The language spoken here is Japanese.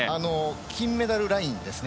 金メダルラインですね。